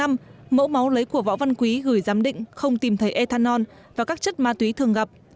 mẫu máu lấy của võ văn quý gửi giám định không tìm thấy ethanol và các chất ma túy thường gặp